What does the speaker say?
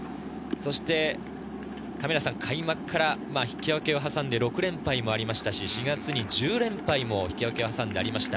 そして開幕から引き分けを挟んで６連敗もありましたし、４月に１０連敗もありました。